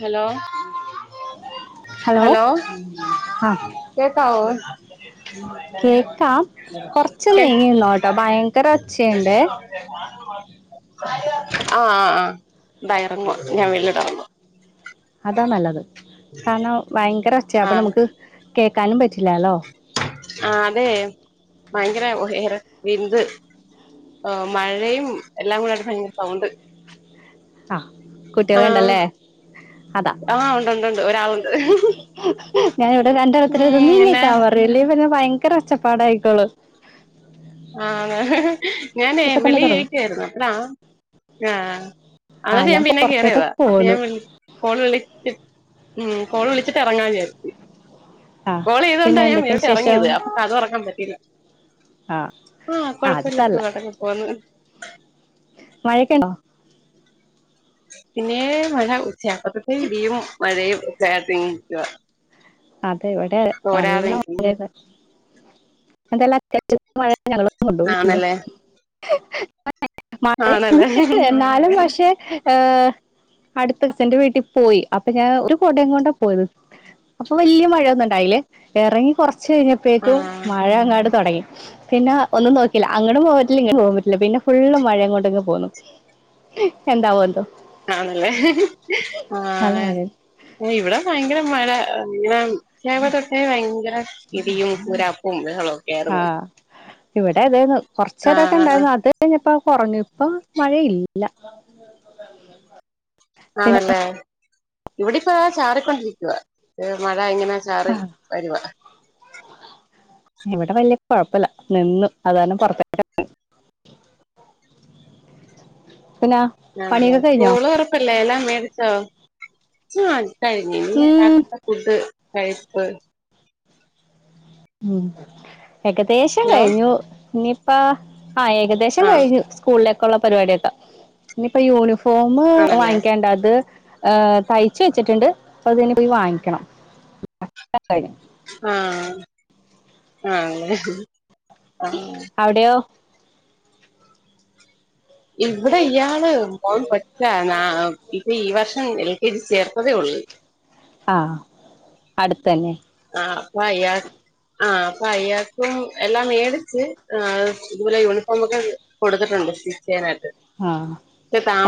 Hello hello ആ കേക്കാവോ കേക്കാം കൊറച്ച് കേക്ക നീങ്ങി നിന്നോട്ടോ ഭയങ്കര ഒച്ചയുണ്ട് ആ ആ ആ ദാ ഇറങ്ങുവാ ഞാൻ വെളീലോട്ട് ഇറങ്ങുവ അതാ നല്ലത് കാരണം ഭയങ്കര ഒച്ചയ അപ്പൊ നമുക്ക് കേക്കാനും പറ്റ് ആ അതെ ഭയങ്കര ഏറെ വിന്ത് മഴയും എല്ലാം കൂടെയായിട്ട് ഭയങ്കര സൗണ്ട് ആഹ് കുട്ടികൾ ആഹ് ഇണ്ടല്ലേ അത ആഹ് ഉണ്ട് ഉണ്ട് ഉണ്ട് ഒരാളുണ്ട് ഞാൻ ഇവിടെ രണ്ടെണ്ണത്തിൻ്റെ ഉം അടുത്തും പിന്നെ നീങ്ങിക്കാൻ പറഞ്ഞു ഇല്ലേൽ പിന്നെ ഭയങ്കര ഒച്ചപ്പാട ആയിക്കോളു ആഹ് ഞാനേ ഇപ്പൊ തന്നെ വെളിയിൽ തുടങ്ങും ഇരിക്കുവായിരുന്നു [unintelligible] ആ ആ അന്നിട്ട് ഞാൻ പിന്നെ പുറത്തേക്ക് കേറിയതാ അപ്പൊ പോന്നു ഞാൻ വിളി കോള് വിളി ച്ച് ഉം കോൾ വിളിച്ചിട്ട് ഇറങ്ങാന്ന് വിചാരിച്ചു ആ കോൾ ചെയ്ത് പിന്നെ കൊണ്ടാ ഞാൻ എന്തൊക്കെയാണ് ഇങ്ങോട്ട് വിശേഷം ഇറങ്ങിയത് അപ്പൊ കതക് തുറക്കാൻ പറ്റിയില്ല ആ ആ അത് കൊഴപ്പില്ല സാരല്ല സുഖമായിട്ടൊക്കെ പോവ്ന്ന് മഴയൊക്കെ ഉണ്ടോ പിന്നെ മഴ ഉച്ചയാക്കുമ്പഴതേക്കും ഇടിയും മഴയും ഒക്കെയായിട്ട് ഇങ്ങനെ നിക്കുവാ അതെ ഇവിടെ തോരാതെ നല്ല നിക്കുന്നു മഴയുണ്ട് അതെല്ല [unintelligible] കേരള കൊണ്ടുന്ന് ആണല്ലേ [unintelligible] മഴ ആണല്ലേ ഉണ്ട് എന്നാലും പക്ഷെ ഏ അടുത്തച്ഛന്റെ വീട്ടിൽ പോയി അപ്പൊ ഞാൻ ഒരു കോടേം കൊണ്ടാ പോയത് അപ്പൊ വലിയ മഴയൊന്നും ഇണ്ടായില്ലേ എറങ്ങി കുറചു ച്ചു കഴിഞ്ഞപ്പേക്കും ആഹ് മഴങ്ങട് തൊടങ്ങി പിന്നെ ഒന്നും നോക്കില്ല അങ്ങടും പോവാൻ പറ്റില്ല ഇങ്ങടും പോകാൻ പറ്റില്ല പിന്നെ ഫുള്ള് മഴയും കൊണ്ടിങ് പോന്നു എന്താവോ എന്തോ ആണല്ലേ ആ നല്ല മഴ ഇവിടെ ഭയങ്കര മഴ ഇങ്ങനെ രാവിലെ തൊട്ടേ ഭയങ്കര ഇടിയും ഊരാപ്പും ബഹളം ആഹ് ഇവിടെ ഇതായിന്ന് കുറച്ചു നേരൊക്കെ ആഹ് ഇണ്ടായിരുന്നു അത്കഴിഞ്ഞപ്പോ കുറഞ്ഞു ആഹ് മഴയില്ല [unintelligible] പിന്നെ ആണല്ലേ ഇവിടെപ്പോ ചാറിക്കൊണ്ടിരിക്കുവ ഏ മ താ എങ്ങനെ ചാറി വരുവാ ഇവിടെ വല്യ കുഴപ്പില്ല നിന്നു അതാരണം പുറത്തേട്ട പിന്നെ പണിയൊക്കെ കഴിഞ്ഞോ ക്കല്ല എല്ലാം മേടിചോ ആ കഴിഞ്ഞ ഇ ഉം രാത് ഫുഡ് കഴിപ്പ് ഉം ഏകദേശം ഹലോ കഴിഞ്ഞു ഇ ആ ആ ഏകദേശം ആഹ് കഴിഞ്ഞു സ്കൂളിലെ ക്കുള്ള പരിപാടിയൊക്കെ ഇനി ഇപ്പ യൂണിഫ് ഫോമ് ആണല്ലേ വാങ്ങിക്കാണ്ട അത് ഏഹ് തയ്ച്ച് വെച്ചിട്ടുണ്ട്. അപ്പ അത് പോയി വാങ്ങിക്കണം [inaudible] ആഹ് ആഹ് ആ അവിടെയോ ഇവിടെ ഇയാള് ഓൻ പൊക്കാന ഇപ്പ ഈ വർഷം ഇനി ഇത് ചേർത്തതേ ഉള്ളൂ ആ അടുത് തന്നെ ആ വയ്യാക് ആ പ്പയ്യാക്കും എല്ലാം മേടിച്ച് ഇതുപോലെ യൂണിഫോം ഒക്കെ കൊടുത്തിട്ടുണ്ട് സ്റ്റിച്ച് ചെയ്യാൽ ആ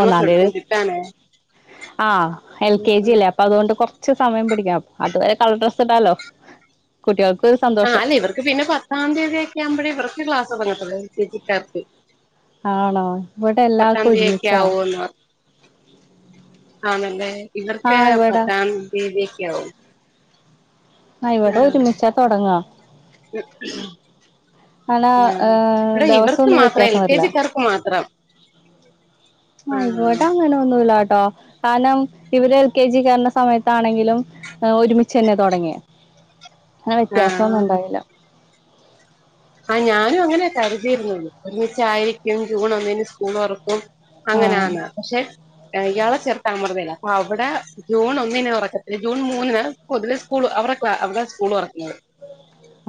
ഒന്നാം തീതി കിട്ടാനേ ആ എൽ കെ ഉം ജി അല്ലേ അപ്പൊ അതുകൊണ്ട് കൊർ ച്ച് സമയം പിടിക്കാം അതുവരെ കളർ ഡ്രസ്സ് ഇടാലോ കുട്ടികൾ ആ അല്ലേ ഇവക്ക് പിന്നെ പത്താം തീയതിയൊക്കെ ആകുമ്പോഴേ ഇവർക്ക് ക്ലാ തോടങ്ങത്തുള്ളൂ എൽ കേ ജീ കാർക്ക് ആണോ ഇവിടെ എല്ലാവർക്കും തീയതി ഒക്കെ ഒരുമിച്ചാ ആവുമെന്ന് ആണല്ലേ ഇവർക്ക് ആഹ് ഇവിടെ പത്താം തീയതിക്കെ ആവും ആ ഇവിടെ ഒരുമിച്ചാ തൊടങ്ങാ അങ്ങനെ ആ ഏഹ് ഇവിടെ ദിവസം ഇവർക്ക് ഒന്നും മാത്രം എൽ വ്യത്യാസം കെ ജിക്കാർക്ക് മാത്രം ആ ഇവടെ അങ്ങനെ ഒന്നുല്ലാ ട്ടോ കാണം ഇവര് എൽ കെ ജി കേർണ സമയത്താണെങ്കിലും ഒരുമിച്ചന്നെ തൊടങ്യിയെ അങ്ങനെ വ്യത്യാസം ഒന്നും ആഹ് ഉണ്ടായില്ല ആ [unintelligible] യിരിക്കും ജൂൺ ഒന്നിന് സ്കൂള് തൊർക്കും ആഹ് അങ്ങനാണ് പക്ഷെ ഇയാള് ചെർത്താ [unintelligible] അ ഇവടെ ജൂൺ ഒന്നിന് ഒറക്കത്തില്ല ജൂൺ മൂന്നിന് പൊതുവെ സ്കൂള് അവരെ അവിടെ സ്കൂൾ തൊറക്ക [unintelligible]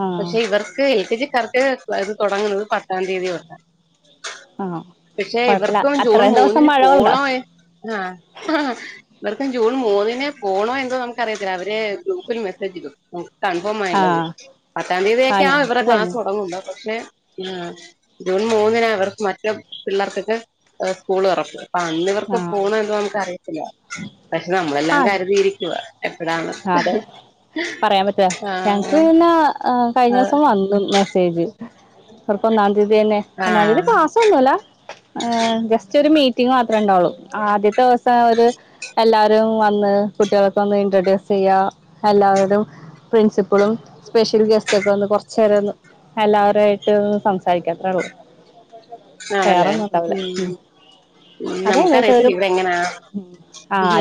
ആഹ് പക്ഷെ ഇവർക്ക് [unintelligible] ക്കാർക്ക് ഇത് തുടങ്ങുന്നത് പത്താം തീയതി തൊട്ട ആഹ് പക്ഷെ കൊഴപ്പില്ല ഇവർക്കും ജൂൺ അത്രയും ദിവസം മൂന്നിന് മഴ കൊണ്ടോ പോണോ ആ ഇവർക്കും ജൂൺ മൂന്നിന് പോണോ അ നമുക്ക അറിയത്തില്ല അവര് ഗ്രൂപ്പിൽ മെസ്സേജിടും കൺഫോമായാണുള്ളത് ആഹ് പത്താം ആഹ് തീയതിയൊക്കെയാണ് ഇവരെ ഞങ്ങക്ക് ക്ലാസ് കഴിഞ്ഞു [unintelligible] ആ ജൂൺ മൂന്നിനാ ഇവർക്ക് മറ്റേ പിള്ളേർക്കൊക്കെ സ്കൂൾ തൊർക്ക ആ അന്ന് ഇവർക്ക് ആഹ് പോണോ നമുക്കറിയത്തില്ല പക്ഷെ നമ്മളെല്ലാം കര്തിയിരിക്കുവാ ആ അതെ പറയാൻ പറ്റോ ഞങ്ങ്ക്ക് ആഹ് ന്നാ കഴിഞ്ഞ ദീസം വന്നു മെസ്സേ സ്സേജ് ചെൽപ്പം ഒന്നാം തീയതി തന്നെ ഒന്നാം തീയതി ആഹ് ക്ലാസ് ഒന്നുല്ല എ ജസ്റ്റ് ഒരു മീ- റ്റിങ്ങ് മാത്രേ ഉണ്ടാവൊള്ളൂ ആദ്യത്തെ ദിവസം ഒരു എല്ലാരും വന്ന് കുട്ടികൾക്കൊന്ന് ഇൻട്രൊഡ്യൂസ് ചെയ്യ എല്ലാവരും പ്രിൻസിപ്പളും സ്പെഷ്യൽ ഗെസ്റ്റെക്കെ വന്ന് കൊർച്ചേരൊന്നു എല്ലാവരായിട്ട് ഒന്ന് സംസാരിക്കത്രേള്ളൂ ആണല്ലേ വേറെന്നുണ്ടാവില്ല മ് ഉം അതെ [unintelligible] നമുക്കറിയത്തില്ല ഇവിടെ എങ്ങനാ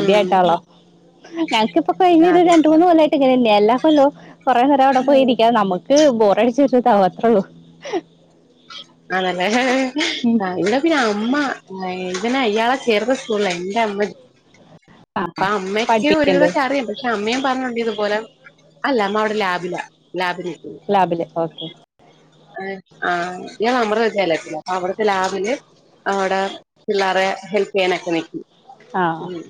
ഉം ഞങ്ങ്ക്ക് കഴിഞ്ഞൊരു അതെ അതെ രണ്ടുമൂന്നു കൊല്ലായിട്ടിങ്ങ എല്ലാ കൊല്ലോം കൊറേ നേരം അവ്ടെ പോയിരിക്ക നമ്മക്ക് ക്ക് ബോറടിച്ച് [unintelligible] അത്രേ ഒള്ളൂ ആണല്ലേ ഹ് ഹ് ഇന്ന പിന്നെ അമ്മ അതിനെ ഇയാളെ ചേർന്ന സ്കൂള എന്റെ അമ്മ ആ അപ്പൊ അമ്മക്ക് പഠിപ്പിക്കുന്നത് ഒരുവിതക്കെറിം പക്ഷെ അമ്മയും പറഞ്ഞണ്ട് ഇതുപോലെ അല്ല അമ്മ അവിടെ ലാബില ലാബിൽ നിൽക്കുന്നു ലാബില് ഓക്കെ ആഹ് ഞാൻ നമ്മടെ വിദ്യാലയത്തിലാ അവിടത്തെ ലാബില് അവിടെ പിള്ളേരെ ഹെൽപ്പ് ചെയ്യാനൊക്കെ നിക്കും. ആഹ് ഉം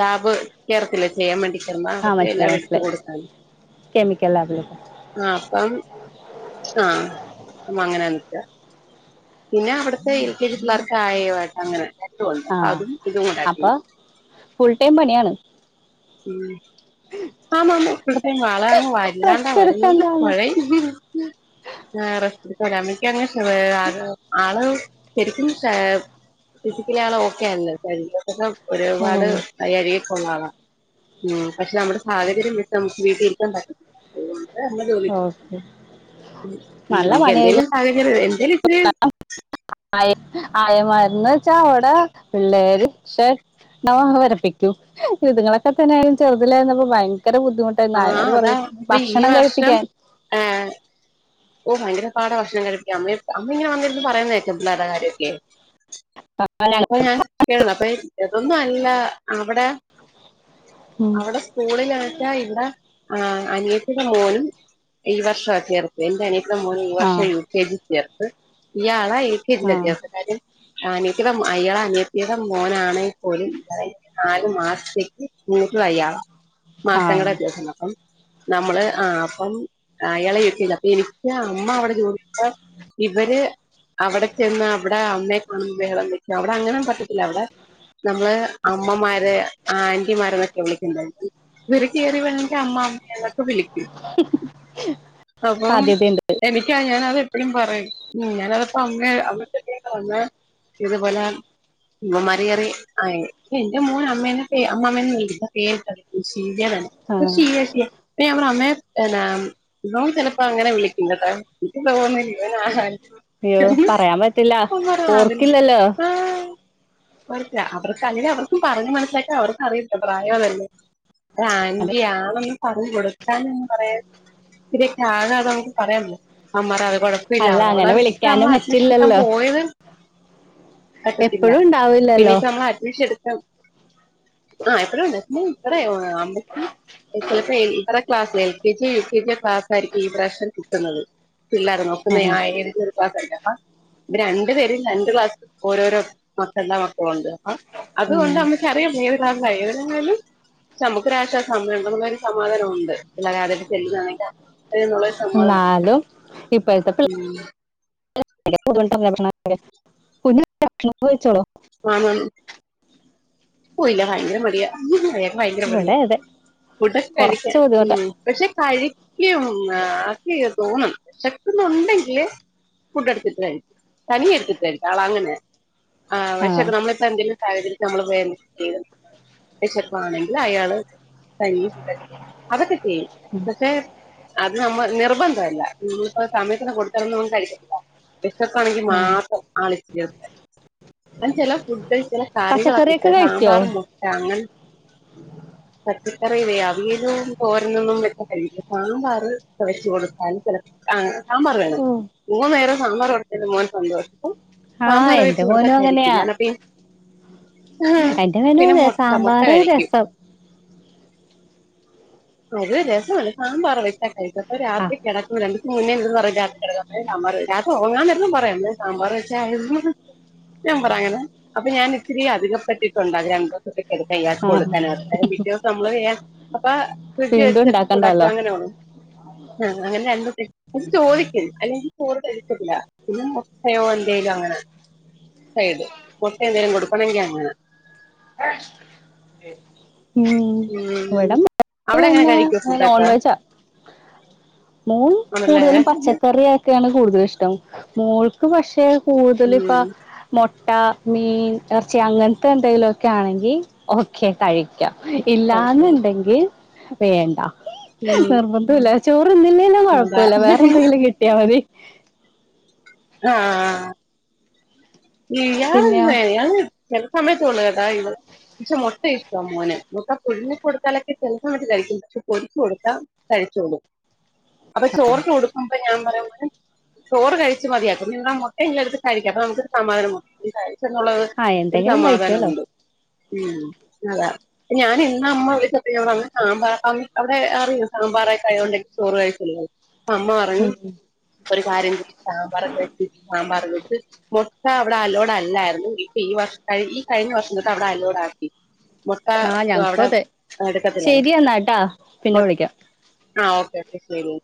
ലാബ് കേറത്തില്ലേ ചെയ്യാൻ മേണ്ടി ചെന്ന് ആഹ് അവിടുത്തെ മനസ്സിലായി എല്ലാം എടുത്തു മനസ്സിലായി കൊടുക്കാനും കെമിക്കൽ ലാബിലൊക്കെ ആ അപ്പം ആ അങ്ങനെന്നെ പിന്നെ അവിടത്തെ യു കേ ജി പിള്ളേർക്ക് ആയയുമായിട്ടങ്ങനെ ആ അപ്പോ ഫുൾ ടൈം പണിയാണ് ഉം [unintelligible] [unintelligible] [unintelligible] റെസ്റ്റ് എടുക്കണ്ടാന്ന് ആള് ശരിക്കും കാ ഫിസിക്കലി ആള് ഓക്കെ ആല്ലേ? [unintelligible] ഒരുപാട് ഓഹ് വയ്യാഴിക ഉള്ള ആളാ ഉം പക്ഷേ നമ്മുടെ സാഹചര്യം വെച്ച് നമുക്ക് വീട്ടിൽ നിക്കാൻ പറ്റ [unintelligible] ജോലി ഓക്കെ നമുക്ക് എന്തെങ്കലും സാഹചര്യം എന്തേലും ഇച്ചിരി ആ ആയ ആയമാര് എന്ന് വെച്ചാ അവിടെ പിള്ളേര് ക്ഷ ണ്ണ വരപ്പിക്കും ഇതുങ്ങളൊക്കെ തന്നെ ചെറുതലായിരുന്നപ്പോ ഭയ ങ്കര ബുദ്ധിമുട്ടായിരുന്നുന്ന് ആഹ് ആയമാര് അതാ പറയും ഇപ്പൊ ഈ ഭക്ഷണം കഴിപ്പിക്കാൻ ഓ ഭയങ്കര പാടാ ഭക്ഷണം കഴിപ്പിക്കാൻ അമ്മ അമ്മ ഇങ്ങനെ വന്നിരുന്ന് പറയു കേക്കാം പിള്ളേരുടെ കാര്യക്കെ. ഇപ്പൊ ഞാൻ [unintelligible] ഇതൊന്നും അല്ല അവിടെ ഉം അവിടെ സ്കൂളിലാക്കാ ഇവിടെ ആ അനിയത്തിടെ മോനും ഈ വർഷാ ചേർ എന്റെ അനിയ ന്റെ മോൻ ഈ ആഹ് വർഷം യു കെ ജി ചേർത്ത് അഹ് എൽ കെ ആഹ് ജിലെത്തിയോ [unintelligible] അനിയത്തിടെ എളയ അനിയത്തീടെ മോനാണെങ്കിൽ പോലും നാലു മാസത്തേക്ക് മൂത്ത ത് അയാളാ. മാസങ്ങളുടെ ആഹ് വ്യത്യാസമുണ്ട് അപ്പം നമ്മള് ആ അപ്പം അയാളെ ഇരുത്തിയതാ എനിക്ക് അമ്മ അവിടെ പോദിച്ച ഇവര് അവിടെ ചെന്ന് അവിടെ അമ്മയെ കണ്ട് ബഹളം വക്കും അവിടെ അങ്ങനൊന്നും പറ്റത്തില്ല അവിടെ നമ്മള് അമ്മമാര് ആറ്റിമാരന്നൊക്കെ വിളിക്കണ്ടേത് ഇവര് കയറി വന്ന് അമ്മാ അമ്മേ എന്നൊക്കെ വിളിക്കും അപ്പം സാധ്യതയുണ്ട് എനിക്കാ ഞാൻ [unintelligible] എപ്പഴും പറയും ഉം ഞാനപ്പോ അമ്മ അവിടത്തെ അമ്മ വന്നാൽ ഇതുപോല ഇവന്മാര് കയറി എന്റെ മോൻ അമ്മേനെ പേര് അമ്മമ്മേ പേര് ഇട്ട വിളിക്കുന്നെ ഷീജേന്ന് ആണ് ആഹ് ഷീജേച്ചിയെ അപ്പൊ ഞാൻ പറയും അമ്മേ ചെലപ്പ് അപ്പൊ അങ്ങനെ വിളിക്കും കെട്ടൊ എന്റെ മോനു ഇവനാര് അയ്യോ പറയാൻ പറ്റില്ല ഓർക്കില്ലല്ലോ വർക്ക് അവർക്ക് അല്ലെങ്കിൽ അവർക്കും പറഞ്ഞ് മനസ്സിലാക്കാ അവർക്ക് അറിയത്തില്ല പ്രായം അതല്ലേ ആന്റി ആണെന്ന് പറഞ്ഞ് കൊടുക്കാനും പറയാനും ഇത്തിരി ആകെ അത് നമുക്ക് പറയാല്ലോ അവാന്മാരാക കുഴപ്പമില്ല അല്ല അവരെ അങ്ങനെ വളർച്ച വിളിക്കാനും നമ്മള് അഡ്ജസ്റ്റ് ചെയ്യാൻ പറ്റില്ലല്ലോ പോയത് പറ്റത്തില്ല എപ്പഴും ഉണ്ടാവില്ലല്ലോ പിന്നിപ്പ നമ്മൾ അഡ്മിഷൻ എടു [inaudible] ആഹ് എപ്പോഴുണ്ട് നീ [unintelligible] അമ്മച്ചി ചിലപ്പോ ഇത്രേ ക്ലാസ്സിലെ L K G U K G class ആയിരിക്കും ഈപ്രാവശ്യം കിട്ടുന്നത് ഇല്ലായിരുന്നു നോക്കുന്നു ഉം ഞാൻ ഏണി കയറി [unintelligible] രണ്ടു പേരും ര ക്ലാസ്സ്‌ ഓരോരോ മക്കൾടെ മക്കളുണ്ട് ആ ഉം അതുകൊണ്ട് അമ്മയ്‌ക്കറിയാം ഏതെ [unintelligible] ഏതെങ്കിലും നമുക്കൊരാശ്വാസം അമ്മയുണ്ടെന്നുള്ള സമാധാനം ഉണ്ട് പിള്ളേര് ആദ്യായിട്ട് ചെല്ലുന്ന ന്നാലും ഇപ്പോഴത്തെ പി ഉം [unintelligible] വെച്ചോളൂ മാമൻ പോയില്ല ഭയങ്കര മടിയ അയാൾക്ക് ഭയങ്കര മടിയ ഇവിടെ അതെ ഫുഡോക്കെ കഴിക്കാൻ കൊറച്ച് ബുദ്ധിമുട്ടാ ഉം പക്ഷെ കഴിക്കും ആക്കി തോന്നണം വിഷക്കുന്നുണ്ടെങ്കില് ഫുഡ് എടുത്തിട്ട് കഴിക്കും തനിയെ എടുത്തിട്ട് കഴിക്കും ആള അങ്ങനെയാ ആ പക്ഷെ ആഹ് നമ്മളിപ്പ എന്തെലും സാഹചര്യത്തിൽ നമ്മള് വേറേ [unintelligible] വിശപ്പാണെങ്കിൽ അയാള് കഴുകിയും വെയ്ക്കും അതൊക്കെ ചെയ്യും പക്ഷെ അ നമ്മ നിർബന്ധമില്ല നമ്മളിപ്പോ സമയത്തിന് കൊടുത്താലൊന്നും അവൻ കഴിക്കത്തില്ല വിശപ്പാണെങ്കിൽ ഉം മാത്രം ആളി ആ ചില ഫുട് ചില കാര്യങ്ങളൊക്കെ പച്ചക്കറിയൊക്കെ കഴിക്കോ സാമ്പാർ മുട്ട അങ്ങനെ പറ്റി കറിയവേ അവിയലും തോരനൊന്നും വെച്ചകഴിക്കത്തില്ല സാമ്പാർ വെച്ച് കൊടുത്താൽ ചിലപ്പൊ ആ സാമ്പാർ വേണം ഉം മൂന്നു നേരം സാമ്പാർ കൊടുത്തുകഴിഞ്ഞ മോൻ സന്തോഷം ആഹ് സാമ്പാർ വെച്ച് എന്റെ കൊടുത്ത മോനും കഴിക്കും അങ്ങനെയാ ഞാനപ്പ എന്റെ മേനും പിന്നെ അതെ മുട്ട സാമ്പാറ് രസം ഇതേ രസമില്ല സാമ്പാർ വെച്ച കഴിക്കും അപ്പൊ രാത്രി ആഹ് [unintelligible] [unintelligible] പറയാം സാമ്പാർ വെച്ചായി ഞാൻ പറയാ അങ്ങനെ അപ്പൊ ഞാൻ ഇത്തിരി അധികം [unintelligible] ആഹ് [unintelligible] അപ്പ ഫ്രിഡജി വീണ്ടും വെച്ചിട്ട് ചൂടാക്കി ഉണ്ടാക്കണ്ടല്ലോ അങ്ങനെയ ഉള്ളു അങ്ങനെ [unintelligible] ചോദിക്കും അല്ലെകില്ലേ ചോറെ കഴിക്കത്തില്ല പിന്നെ മൊട്ടയോ എന്തെങ്കിലും അങ്ങനെ [unintelligible] മൊട്ട എന്തേലും കൊടുക്കണമെങ്കിൽ അങ്ങനെ ഉം ഉം ഇവിടെ [unintelligible] അവിടെ എങ്ങനെ പിന്നെ കഴിക്കോ ഫുഡൊക്കെ നോൺവെജാ മോൻ ആണല്ലേ കൂടുതലും പച്ചക്കറിയൊക്കെയാണ് കൂടുതലും ഇഷ്ടം മോൾക്ക് പക്ഷെ കൂടുതൽ ഇപ്പൊ ഉം മൊ മുട്ട മീൻ ഇറച്ചി അങ്ങനത്തെ എന്തെങ്കിലൊക്കെ ആണെങ്കിൽ ഓക്കെ കഴി ഇല്ലാന്ന്ണ്ടെങ്കിൽ ഓക്കെ വേണ്ട ഉം നിർബന്ധഇല്ല [unintelligible] അതാ കുഴപ്പമില്ല വേറെ എന്തെങ്കിലും കിട്ടിയാൽ മതി ആഹ് [unintelligible] എന്തുവാ പിന്നെ [unintelligible] ചില സമയതൊള്ളൂ കേട്ട ഇത് പക്ഷെ മോട്ട ഇഷ്ട മോന് മുട്ട പുഴുങ്ങി കൊടുത്താലൊക്കെ ചെല സമയത്ത് കഴിക്കും പക്ഷെ പൊരിച്ചേ കൊടുത്താ കഴിച്ചോളും അപ്പൊ ചോറ് കൊടുക്കുമ്പൊ ഞാൻ പറയും ചോറ് കഴി [unintelligible] മൊട്ട ഇങ്ങ് എടുത്ത് കഴിക്കാം അപ്പൊ നമുക്ക് സമാധാനം ആവും [unintelligible] കഴിച്ച് എന്നുള്ളത് ആ ഒരു എന്തെങ്കിലും കഴിക്കല്ലോ സമാധാനമുണ്ട് ഉം അതാ ഞാൻ ഇന്ന് അമ്മ വിളിച്ചപ്പോ ഞാൻ പറഞ്ഞ് സാമ്പാറാന്ന് അവിടെ അറിയും സാമ്പാറ് ആയത് കൊണ്ട് ചോറ് കഴിക്കില്ലെന്ന് അ അമ്മ പറഞ്ഞു ഉം ഒരു കാര്യ സാമ്പാറൊക്കെ കഴിച്ച് സാമ്പാർ വെച്ച് മൊട്ട അവിടെ അലൗഡ് അല്ലായിരുന്നു ഇപ്പൊ ഈ വർഷം ഈ കഴിഞ്ഞ വർഷം തൊട്ട് അവിടെ അലൗഡ് ആക്കി മുട്ട ആ ഞങ്ങക്കും അവിടെ അതെ എടുക്കത്തില്ല ശെരിയെന്നാ ട്ടാ പിന്നെ വിളിക്കാം ആഹ ഓക്കെ ഓക്കെ ശരി ഓ